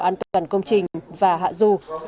an toàn công trình và hạ du